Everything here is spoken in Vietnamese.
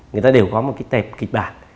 người ta đều có một cái kịch bản